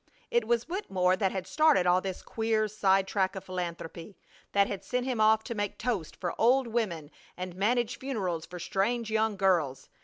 It was Wittemore that had started all this queer side track of philanthropy; that had sent him off to make toast for old women and manage funerals for strange young girls.